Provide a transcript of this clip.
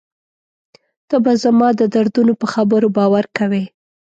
ته به زما د دردونو په خبرو باور کوې.